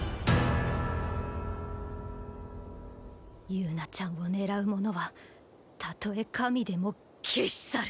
友奈ちゃんを狙う者はたとえ神でも消し去る。